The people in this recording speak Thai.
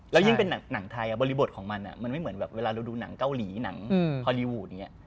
แล้วยิ่งเป็นหนังไทยบริบทของมันมันไม่เหมือนแบบเวลาเราดูหนังเกาหลีหนังฮอลลีวูดอย่างนี้